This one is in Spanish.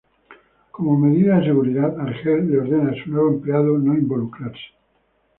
Como medida de seguridad Ángel le ordena a su nuevo empleado no involucrarse.